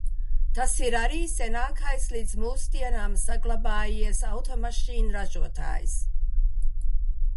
Tas ir arī senākais līdz mūsdienām saglabājies automašīnu ražotājs.